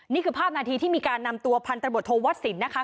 นี่คือภาพนาทีที่มีการนำตัวพันธบทโทวัดสินนะคะ